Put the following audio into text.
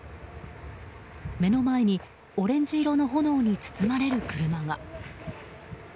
目の前にオレンジ色の炎に包まれる車が。